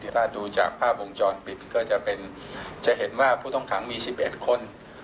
ถ้าดูจากภาพวงจรปิดก็จะเป็นจะเห็นว่าผู้ต้องขังมี๑๑คน